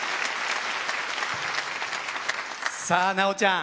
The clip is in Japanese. さあ奈央ちゃん。